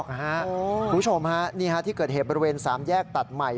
คุณผู้ชมฮะนี่ที่เกิดเหตุบริเวณ๓แยกตัดใหม่